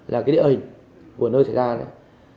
là cái địa hình của nơi xảy ra này